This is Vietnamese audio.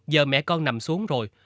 giờ mẹ con nằm xuống rồi